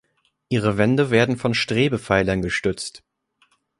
Ihre Wände werden von Strebepfeilern gestützt.